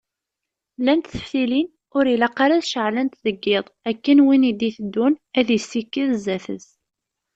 Llant teftilin ur ilaq ara ad ceɛlent deg yiḍ, akken win i d-iteddun ad isekked sdat-s.